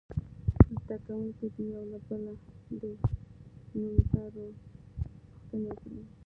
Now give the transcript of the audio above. زده کوونکي دې یو له بله د نومځرو پوښتنې وکړي.